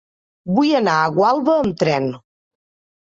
Vull anar a Gualba amb tren.